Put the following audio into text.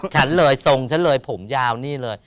ฉันเลยทรงฉันเลยผมยาวนี่เลย